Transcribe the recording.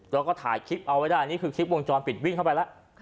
แล้วก็ถ่ายคลิปเอาไว้ได้นี่คือคลิปวงจรปิดวิ่งเข้าไปแล้ว